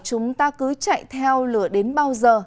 chúng ta cứ chạy theo lửa đến bao giờ